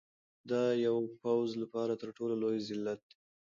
دا د یو پوځ لپاره تر ټولو لوی ذلت دی.